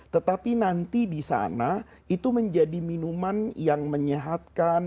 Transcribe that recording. tetapi nanti di sana itu menjadi minuman yang menyehatkan